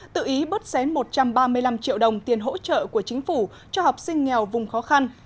tự ý bớt xén một trăm ba mươi năm triệu đồng tiền hỗ trợ của chính phủ cho học sinh nghèo vùng khó khăn